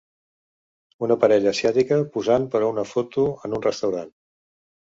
Una parella asiàtica posant per a una foto en un restaurant.